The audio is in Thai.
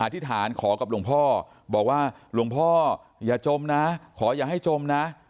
ธิษฐานขอกับหลวงพ่อบอกว่าหลวงพ่ออย่าจมนะขออย่าให้จมนะ